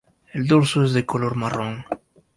El dorso es de color marrón.